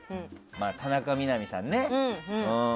田中みな実さんね。